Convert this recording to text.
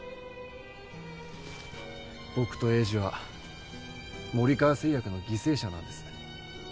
僕と栄治は森川製薬の犠牲者なんです。